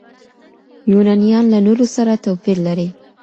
يونانيان له نورو سره توپير لري.